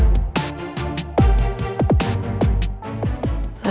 cukup gitu lah